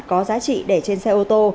có giá trị để trên xe ô tô